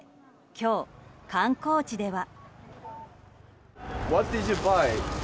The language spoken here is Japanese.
今日、観光地では。